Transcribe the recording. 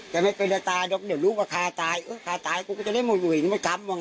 เดี๋ยวลูกว่าขาตายขาตายก็จะได้มาขึ้นไปทั้งวัน